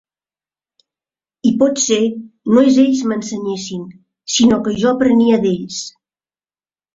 I potser no és ells m'ensenyessin, sinó que jo aprenia d'ells.